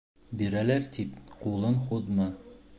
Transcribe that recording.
Бирәләр тип, ҡулың һуҙма.